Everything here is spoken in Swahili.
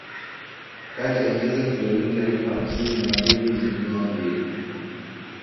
kati ya hizo kilometa elfu hamsini na mbili na mia mbili